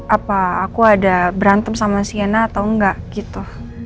apa aku ada berantem sama siana atau enggak gitu